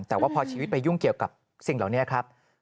แต่ว่าพอชีวิตไปยุ่งเกี่ยวกับสิ่งเหล่านี้ครับ